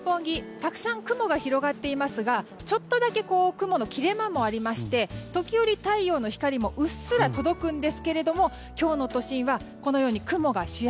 たくさん雲が広がっていますがちょっとだけ雲の切れ間もありまして時折、太陽の光もうっすら届くんですけれども今日の都心はこのように雲が主役。